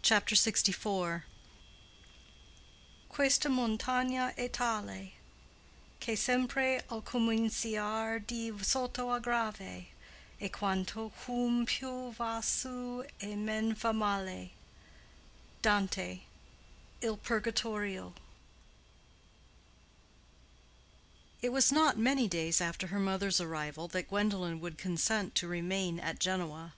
CHAPTER LXIV. "Questa montagna è tale, Che sempre al cominciar di sotto è grave. E quanto uom più va su e men fa male." —DANTE: Il Purgatorio. It was not many days after her mother's arrival that Gwendolen would consent to remain at Genoa.